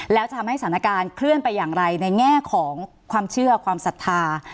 แล้วจะทำให้สถานการณ์เคลื่อนไปอย่างไรในแง่ของความเชื่อความศรัทธา